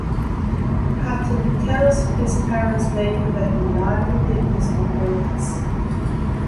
Hatim tells his parents later that he lied and did this on purpose.